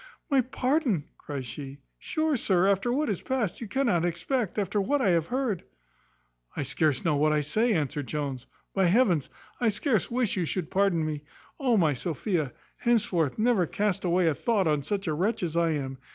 "My pardon!" cries she; "Sure, sir, after what is past, you cannot expect, after what I have heard." "I scarce know what I say," answered Jones. "By heavens! I scarce wish you should pardon me. O my Sophia! henceforth never cast away a thought on such a wretch as I am.